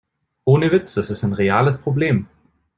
Ohne Witz, das ist ein reales Problem.